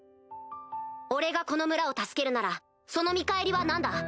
俺がこの村を助けるならその見返りは何だ？